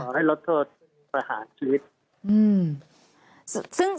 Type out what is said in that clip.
ให้ลดโทษประหารชีวิต